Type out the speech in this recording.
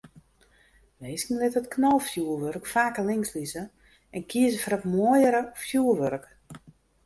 Minsken litte it knalfjoerwurk faker links lizze en kieze foar it moaiere fjoerwurk.